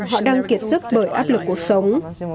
họ đang kiệt sức bởi áp lực cuộc sống